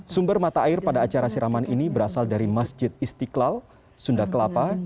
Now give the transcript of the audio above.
sumber mata air pada acara siraman ini berasal dari masjid istiqlal sunda kelapa